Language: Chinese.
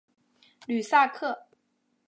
吕萨克。